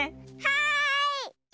はい！